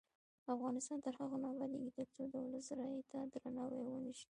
افغانستان تر هغو نه ابادیږي، ترڅو د ولس رایې ته درناوی ونشي.